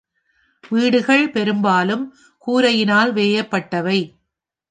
வீடுகள் பெரும்பாலும் கூரையினால் வேயப்பட்டவை.